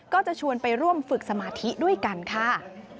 ก็จะชวนไปร่วมฝึกสมาธิด้วยกันค่ะ